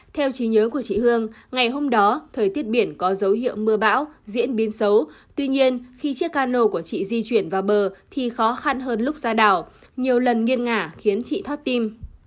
theo trí nhớ của chị hương ngày hôm đó thời tiết biển có dấu hiệu mưa bão diễn biến xấu tuy nhiên khi chiếc cano của chị di chuyển vào bờ thì khó khăn hơn lúc ra đảo nhiều lần nghiêng ngả khiến chị thoát tim